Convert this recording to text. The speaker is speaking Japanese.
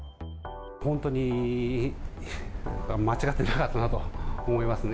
本当に間違っていなかったなと思いますね。